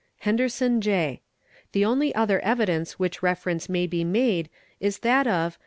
Henderson, J. 'Uhe only other evidence which reference may be made is that of......